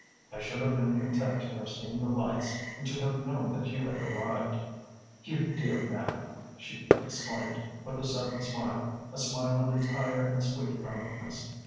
"I should have been content to have seen the lights and to have known that you had arrived." "You dear man!" she exclaimed, with a sudden smile, a smile of entire and sweet friendliness.